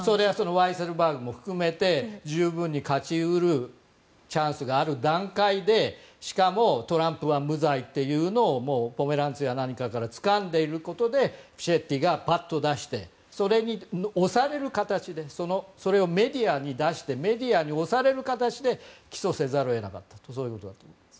ワイセルバーグも含めて十分に勝ち得るチャンスがある段階でしかもトランプは無罪というのをポメランツや何かからつかんでいるということでフィシェッティがぱっと出してそれをメディアに出してメディアに押される形で起訴せざるを得なかったということだと思います。